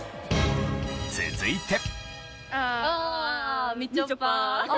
続いて。